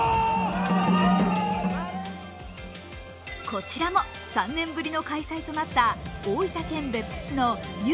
こちらも３年ぶりの開催となった大分県別府市の湯